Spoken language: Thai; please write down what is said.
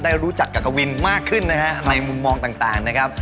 ได้รู้จักกับกวินมากขึ้นนะฮะในมุมมองต่างนะครับ